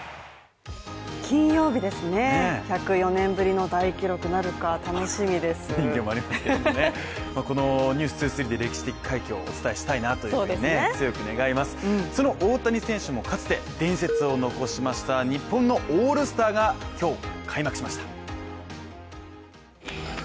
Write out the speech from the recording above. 金曜日ですね、１０４年ぶりの大記録なるか楽しみです「ｎｅｗｓ２３」で歴史的快挙をお伝えしたいなということでその大谷選手もかつて伝説を残しました日本のオールスターが今日開幕しました。